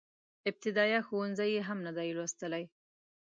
ابتدائيه ښوونځی يې هم نه دی لوستی.